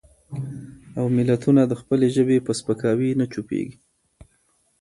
او ملتونه د خپلې ژبې په سپکاوي نه چوپېږي.